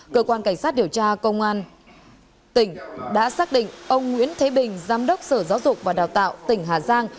cơ quan cảnh sát điều tra công an tỉnh đã xác định ông nguyễn thế bình giám đốc sở giáo dục và đào tạo tỉnh hà giang